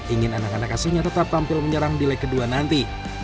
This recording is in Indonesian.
ingin anak anak aslinya tetap tampil menyerang di leg kedua nanti